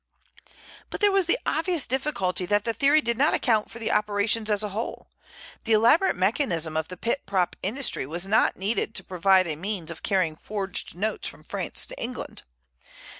But there was the obvious difficulty that the theory did not account for the operations as a whole. The elaborate mechanism of the pit prop industry was not needed to provide a means of carrying forged notes from France to England.